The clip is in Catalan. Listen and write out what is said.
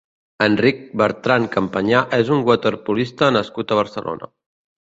Enric Bertrán Campañá és un waterpolista nascut a Barcelona.